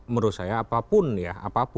menurut saya apapun ya